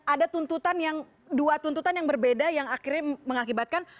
ada tuntutan yang dua tuntutan yang berbeda yang akhirnya mengakibatkan